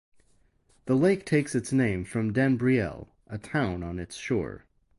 The lake takes its name from Den Briel, a town on its shore.